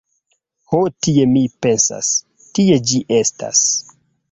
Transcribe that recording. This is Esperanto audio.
Ho tie mi pensas, tie ĝi estas.